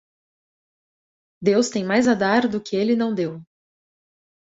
Deus tem mais a dar do que ele não deu.